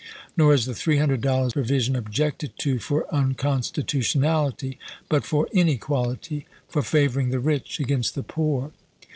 Nor is the three hundred dollar provision objected to for unconstitutionality ; but for inequality, for favoring the rich against the poor.